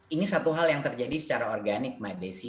ini satu hal yang terjadi secara organik mbak desi